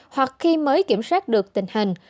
hoặc khi mới kiểm soát được tình hình